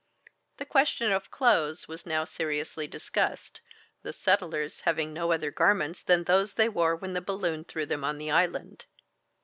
The question of clothes was now seriously discussed, the settlers having no other garments than those they wore when the balloon threw them on the island.